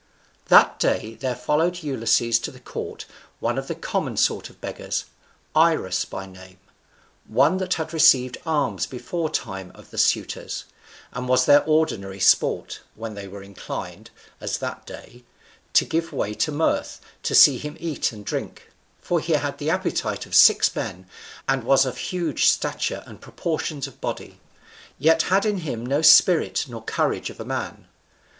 That day there followed Ulysses to the court one of the common sort of beggars, Irus by name, one that had received alms beforetime of the suitors, and was their ordinary sport, when they were inclined (as that day) to give way to mirth, to see him eat and drink; for he had the appetite of six men, and was of huge stature and proportions of body; yet had in him no spirit nor courage of a man.